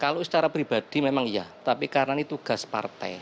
kalau secara pribadi memang iya tapi karena ini tugas partai